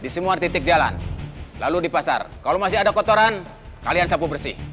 sekarang kalian sabuk bersih